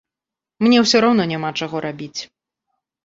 Мне ўсё роўна няма чаго рабіць.